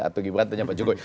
atau gibran tanya pak jokowi